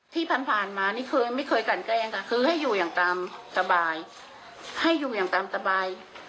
ที่ผ่านมานี่เคยไม่เคยกันแกล้งค่ะคือให้อยู่อย่างตามสบายให้อยู่อย่างตามสบาย